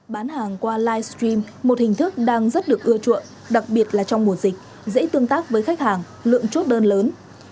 bán hàng qua livestream một hình thức đang rất được ưa chuộng đặc biệt là trong mùa dịch dễ tương tác với khách hàng lượng chốt đơn lớn